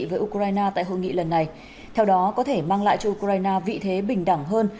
với ukraine tại hội nghị lần này theo đó có thể mang lại cho ukraine vị thế bình đẳng hơn